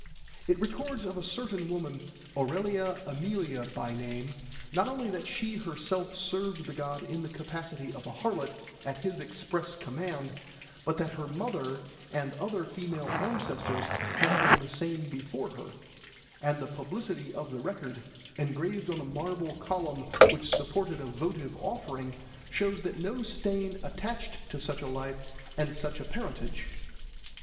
It records of a certain woman, Aurelia Aemilia by name, not only that she herself served the god in the capacity of a harlot at his express command, but that her mother and other female ancestors had done the same before her; and the publicity of the record, engraved on a marble column which supported a votive offering, shows that no stain attached to such a life and such a parentage.